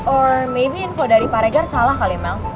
or maybe info dari pak regar salah kali ya mel